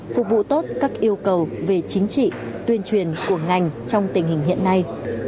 phục vụ tốt các yêu cầu về chính trị tuyên truyền của ngành trong tình hình hiện nay